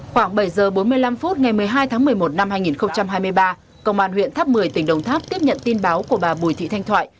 khoảng bảy h bốn mươi năm phút ngày một mươi hai tháng một mươi một năm hai nghìn hai mươi ba công an huyện tháp một mươi tỉnh đồng tháp tiếp nhận tin báo của bà bùi thị thanh thoại